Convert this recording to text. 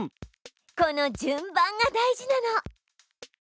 この「順番」が大事なの！